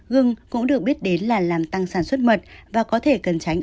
gương cũng được biết đến là làm tăng sản xuất mật và có thể cần tránh